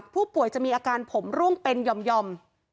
ผู้ป่วยจะมีอาการผมร่วงเป็นหย่อม